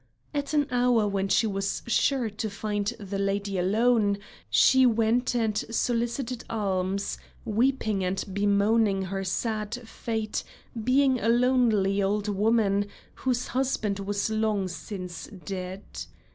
At an hour when she was sure to find the lady alone, she went and solicited alms, weeping and bemoaning her sad fate at being a lonely old woman whose husband was long since dead.